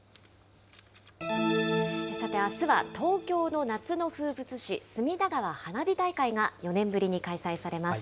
あすは東京の夏の風物詩、隅田川花火大会が４年ぶりに開催されます。